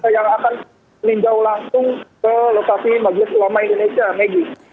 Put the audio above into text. yang akan meninjau langsung ke lokasi majelis ulama indonesia maggie